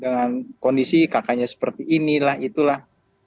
dengan kondisi kakaknya seperti inilah itulah